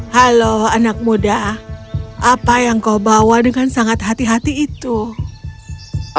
beberapa saat kemudian dia bertemi dengan seorang wanita tua